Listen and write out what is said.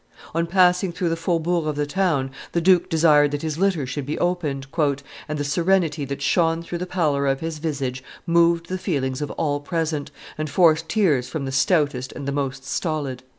On passing through the faubourgs of the town, the duke desired that his litter should be opened, "and the serenity that shone through the pallor of his visage moved the feelings of all present, and forced tears from the stoutest and the most stolid."